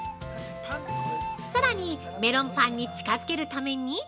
さらに、メロンパンに近づけるために。